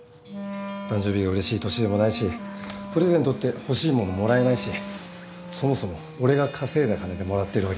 誕生日がうれしい年でもないしプレゼントって欲しい物もらえないしそもそも俺が稼いだ金でもらってるわけだし